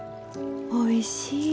おいしい。